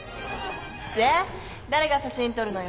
で誰が写真撮るのよ？